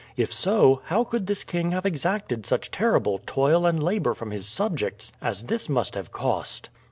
If so, how could this king have exacted such terrible toil and labor from his subjects as this must have cost?"